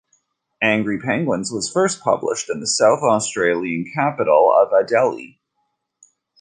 "Angry Penguins" was first published in the South Australian capital of Adelaide.